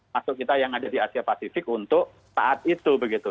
masuk kita yang ada di asia pasifik untuk saat itu begitu